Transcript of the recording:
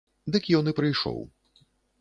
Дык ён і прыйшоў.